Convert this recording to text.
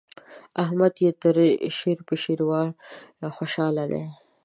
احمد يې تر شير په شېروا خوشاله دی.